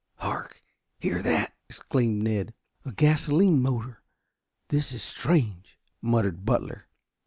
"Hark! Hear that!" exclaimed Ned. "A gasoline motor. This is strange," muttered Butler.